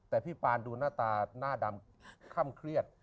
แต่พี่ปานดูหน้าตาหน้าดำค่ำเครียด